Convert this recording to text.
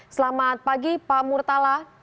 selamat pagi pak murtala